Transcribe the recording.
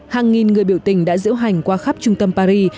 hàng nghìn người biểu tình đã diễu hành qua khắp trung tâm paris